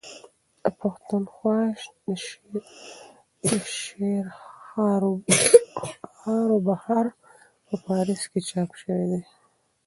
د پښتونخوا دشعرهاروبهار په پاريس کي چاپ سوې ده.